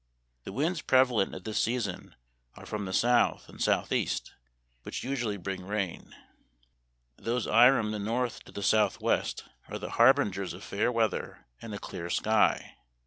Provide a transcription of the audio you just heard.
The winds prevalent at this season are from the south and south east, which usually bring rain. Those irom the north to the south west are the harbingers of fair weather and a clear sky.